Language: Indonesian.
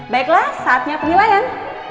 baiklah saatnya penilaian